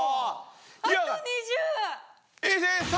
あと２０！